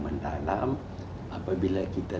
mendalam apabila kita